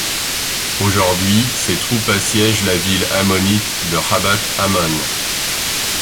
Aujourd'hui, ses troupes assiègent la ville ammonite de Rabbath-Ammon.